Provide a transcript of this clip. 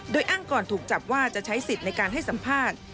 โดยอ้างก่อนถูกจับว่าจะใช้สิทธิ์ในการให้สัมภาษณ์